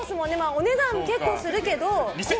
お値段、結構するけど。